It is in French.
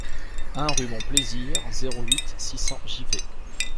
un rue Mon Plaisir, zéro huit, six cents, Givet